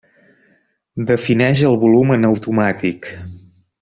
Defineix el volum en automàtic.